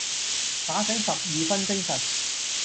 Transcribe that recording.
打醒十二分精神